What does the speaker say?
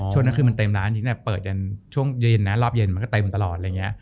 ช่วงนั้นคือมันเต็มร้านจริงตั้งแต่เปิดยันช่วงเย็นนะรอบเย็นมันก็เต็มตลอดอะไรอย่างนี้